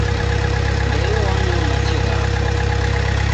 Ndeyo wanywa machi ghapo.